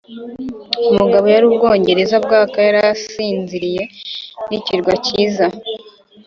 umugabo yari ubwongereza bwaka yari asinziriye, n'ikirwa cyiza